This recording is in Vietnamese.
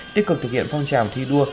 tích cực thực hiện phong trào thi đua